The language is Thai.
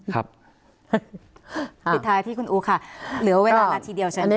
ผิดท้ายขึ้นอุ๊คค่ะเหลือเวลานาทีเดียวชั้นค่ะ